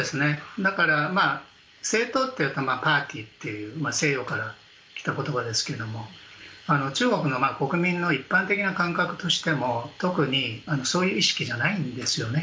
だから、政党はパーティーという西洋から来た言葉ですが中国の国民の一般的な感覚としても特にそういう意識じゃないんですよね。